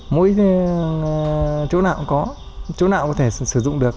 mỗi chỗ nào cũng có chỗ nào có thể sử dụng được